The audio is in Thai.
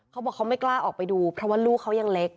เขาบอกเขาไม่กล้าออกไปดูเพราะว่าลูกเขายังเล็ก